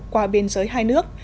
qua biên giới hai nước